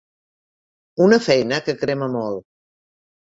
Una feina que crema molt.